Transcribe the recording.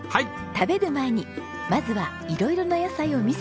食べる前にまずは色々な野菜を見せて頂きましょう。